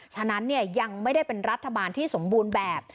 ฉะนั้นยังไม่ได้เป็นรัฐบาลที่สมบูรณ์แบบ